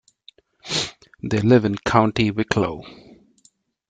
They live in County Wicklow.